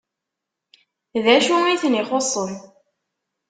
D acu i ten-ixuṣṣen?